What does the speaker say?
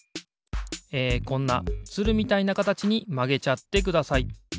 えこんなつるみたいなかたちにまげちゃってください。